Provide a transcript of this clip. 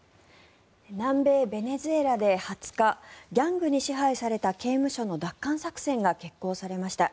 南米ベネズエラで２０日ギャングに支配された刑務所の奪還作戦が決行されました。